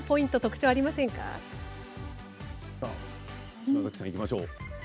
島崎さん、いきましょう。